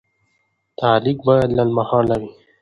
تعلیق باید لنډمهاله وي.